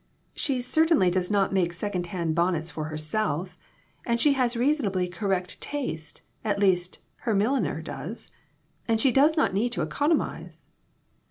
She certainly does not BONNETS, AND BURNS, AND BURDENS. 89 make second hand bonnets for herself, and she has reasonably correct taste at least, her mil liner has and she does not need to economize."